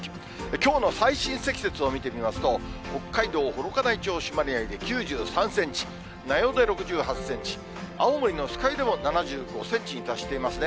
きょうの最深積雪を見てみますと、北海道幌加内町朱鞠内で９３センチ、名寄で６８センチ、青森の酸ヶ湯でも７５センチに達していますね。